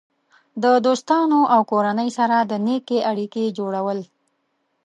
د دوستانو او کورنۍ سره د نیکې اړیکې جوړول.